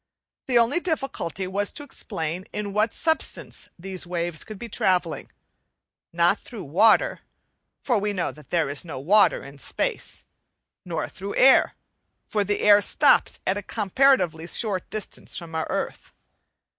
The only difficulty was to explain in what substance these waves could be travelling: not through water, for we know that there is no water in space nor through air, for the air stops at a comparatively short distance from our earth.